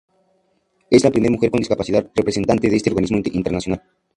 Es la primera mujer con discapacidad representante de este organismo internacional.